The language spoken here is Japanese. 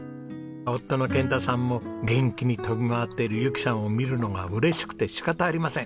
夫の健太さんも元気に飛び回っているゆきさんを見るのが嬉しくて仕方ありません。